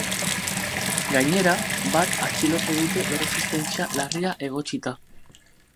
Gainera, bat atxilotu dute erresistentzia larria egotzita.